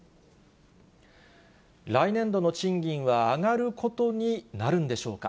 来年度の賃金は上がることになるんでしょうか。